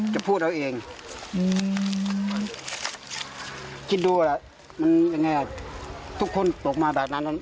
จะพูดเอาเองอืมคิดดูอ่ะมันยังไงทุกคนตกมาแบบนั้น